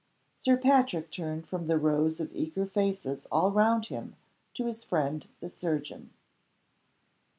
Sir Patrick turned from the rows of eager faces all round him to his friend the surgeon.